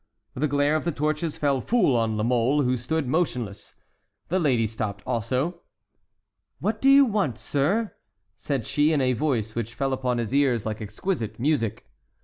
The glare of the torches fell full on La Mole, who stood motionless. The lady stopped also. "What do you want, sir?" said she, in a voice which fell upon his ears like exquisite music.